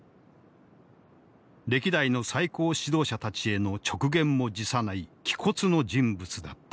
歴代の最高指導者たちへの直言も辞さない気骨の人物だった。